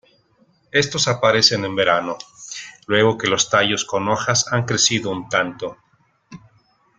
Estos aparecen en verano, luego que los tallos con hojas han crecido un tanto.